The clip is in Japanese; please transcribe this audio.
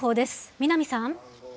南さん。